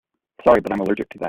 Sorry but I'm allergic to that.